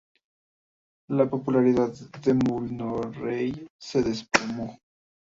La popularidad de Mulroney se desplomó.